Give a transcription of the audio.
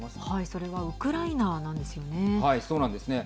それはウクライナなんですよね。